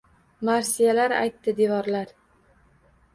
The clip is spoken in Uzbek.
Marsiyalar aytdi devorlar.